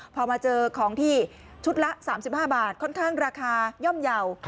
พอมาเจอของที่ชุดละ๓๕บาทค่อนข้างราคาย่อมเยาว์